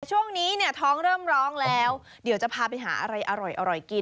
ช่วงนี้เนี่ยท้องเริ่มร้องแล้วเดี๋ยวจะพาไปหาอะไรอร่อยกิน